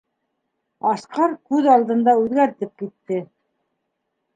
Асҡар күҙ алдында үҙгәртеп китте.